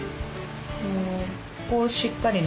ここをしっかりね